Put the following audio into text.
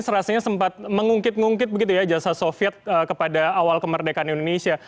rasanya sempat mengungkit ngungkit begitu ya jasa soviet kepada awal kemerdekaan indonesia